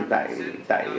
tại việt nam